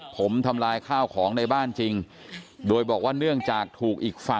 พร้อมที่จะเริ่มต้นใหม่ค่ะ